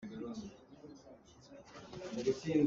Na fanu cu a hreu ngai.